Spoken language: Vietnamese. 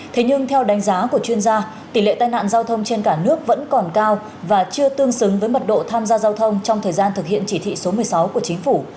thế nhưng theo đánh giá của chuyên gia tỷ lệ tai nạn giao thông trên cả nước vẫn còn cao và chưa tương xứng với mật độ tham gia giao thông trong thời gian thực hiện chỉ thị số một mươi sáu của chính phủ